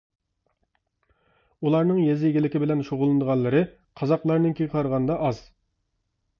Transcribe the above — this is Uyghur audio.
ئۇلارنىڭ يېزا ئىگىلىكى بىلەن شۇغۇللىنىدىغانلىرى قازاقلارنىڭكىگە قارىغاندا ئاز.